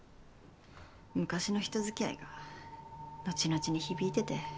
昔の人付き合いが後々に響いてて。